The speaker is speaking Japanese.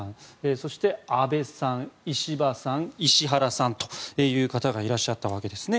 そして、安倍さん石破さん、石原さんという方がいらっしゃったわけですね。